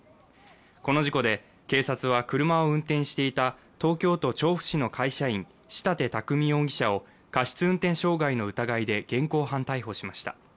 この事故で警察は車を運転していた東京・調布市の会社員、仕立拓海容疑者を過失運転傷害の疑いで現行犯逮捕しました。